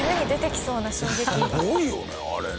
すごいよねあれね。